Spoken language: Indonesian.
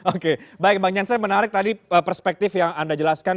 oke baik bang jansen menarik tadi perspektif yang anda jelaskan